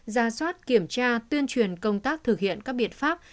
ra soát kiểm tra tuyên truyền công tác thực hiện các biện pháp